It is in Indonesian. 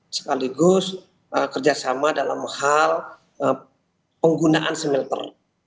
sekaligus kerja sama dalam hal penggunaan smelter